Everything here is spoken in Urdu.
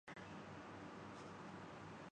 اس تاریخ میں زیادہ کیا جایا جائے۔